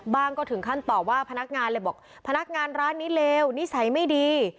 ก็ถึงขั้นตอบว่าพนักงานเลยบอกพนักงานร้านนี้เลวนิสัยไม่ดี